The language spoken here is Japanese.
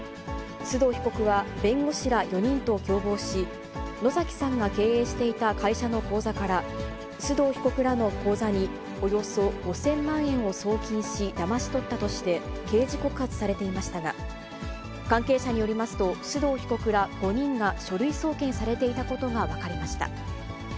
須藤被告は弁護士ら４人と共謀し、野崎さんが経営していた会社の口座から、須藤被告らの口座におよそ５０００万円を送金し、だまし取ったとして、刑事告発されていましたが、関係者によりますと、須藤被告ら５人が書類送検されていたことが分かりました。